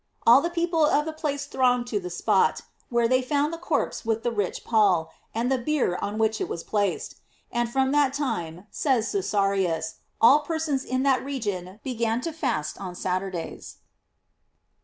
All the people of the place thronged t« the spot, where they found the corpse with the rich pall, and the bier on which it was placed. And from that time, says Cesarius, all persons in that region began to fast on Saturdays.